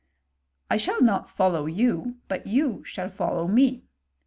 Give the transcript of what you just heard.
I shall not follow you, but you shall follow me.